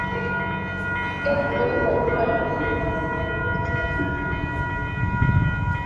ilifikia ukiongoni juma lilopita wakati ulinzi stars ukipenda kuwaita maafande hawa